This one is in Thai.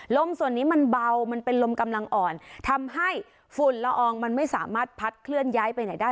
ส่วนนี้มันเบามันเป็นลมกำลังอ่อนทำให้ฝุ่นละอองมันไม่สามารถพัดเคลื่อนย้ายไปไหนได้